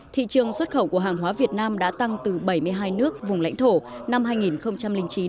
thị trường xuất khẩu của hàng hóa việt nam đã tăng từ bảy mươi hai nước vùng lãnh thổ năm hai nghìn chín